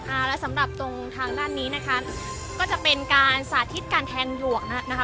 อ่าแล้วสำหรับตรงทางด้านนี้นะคะก็จะเป็นการสาธิตการแทนหยวกนะคะ